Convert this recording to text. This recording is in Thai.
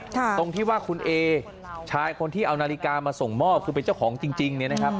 ตรงที่ว่าคุณเอซึ่งใช้คนที่เอานาฬิกามาส่งมอบคือเป็นเจ้าของจริง